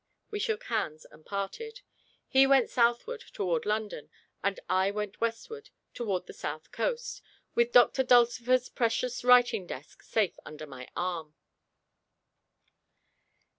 We shook hands and parted. He went southward, toward London, and I went westward, toward the sea coast, with Doctor Dulcifer's precious writing desk safe under my arm.